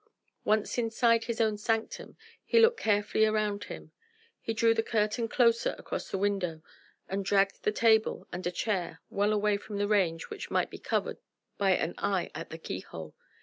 Once inside his own sanctum he looked carefully around him; he drew the curtain closer across the window and dragged the table and a chair well away from the range which might be covered by an eye at the keyhole.